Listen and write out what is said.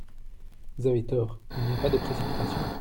Vous avez tort ! Il n’y a pas de précipitation.